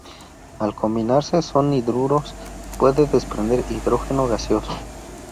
Al combinarse con hidruros puede desprender hidrógeno gaseoso.